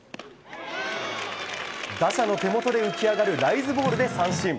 打者の手元で浮き上がるライズボールで三振。